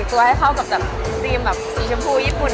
ผมก็ต้องแสนกัดสีชมพูอย่างญี่ปุ่น